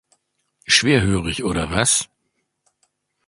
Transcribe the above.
Schwerhörig oder was?